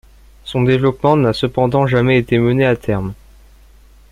Son développement n'a cependant jamais été mené à terme.